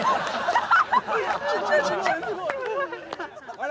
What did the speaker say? あれ？